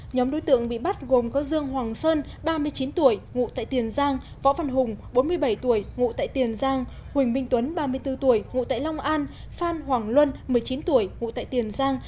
nhóm đối tượng bị bắt gồm có dương hoàng sơn ba mươi chín tuổi ngụ tại tiền giang võ văn hùng bốn mươi bảy tuổi ngụ tại tiền giang huỳnh minh tuấn ba mươi bốn tuổi ngụ tại long an phan hoàng luân một mươi chín tuổi ngụ tại tiền giang